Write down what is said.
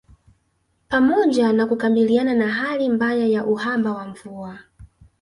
Pamoja na kukabiliana na hali mbaya ya uhaba wa mvua